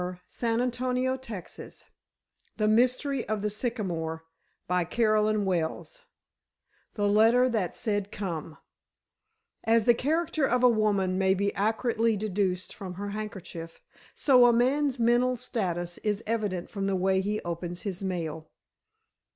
A Final Confession 317 THE MYSTERY OF THE SYCAMORE CHAPTER I THE LETTER THAT SAID COME As the character of a woman may be accurately deduced from her handkerchief, so a man's mental status is evident from the way he opens his mail.